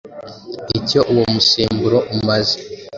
icyo uwo musemburo umaze